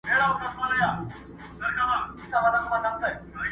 ستا پۀ وادۀ كې جېنكو بېګاه چمبه وهله.